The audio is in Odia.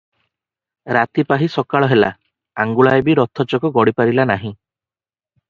ରାତି ପାହି ସକାଳ ହେଲା ଆଙ୍ଗୁଳାଏ ବି ରଥ ଚକ ଗଡ଼ିପାରିଲାନାହିଁ